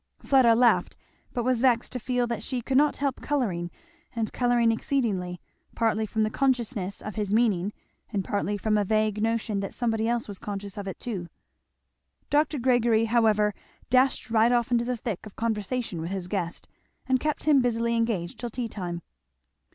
Fleda laughed, but was vexed to feel that she could not help colouring and colouring exceedingly; partly from the consciousness of his meaning, and partly from a vague notion that somebody else was conscious of it too. Dr. Gregory, however, dashed right off into the thick of conversation with his guest, and kept him busily engaged till tea time.